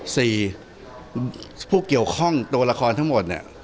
สี่ผู้เกี่ยวข้องตัวละครทั้งหมดเนี่ย